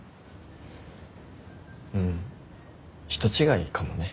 うん人違いかもね。